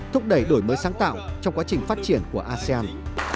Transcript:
thúc đẩy đổi mới sáng tạo trong quá trình phát triển của asean